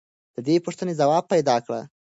د دې پوښتنې ځواب پیدا کړه.